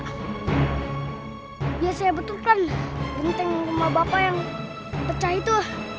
ya saya betulkan genteng rumah bapak yang pecah itu